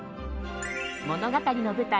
物語の舞台